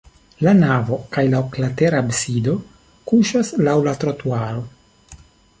La navo kaj la oklatera absido kuŝas laŭ la trotuaro.